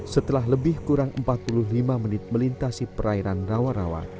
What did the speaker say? setelah lebih kurang empat puluh lima menit melintasi perairan rawa rawa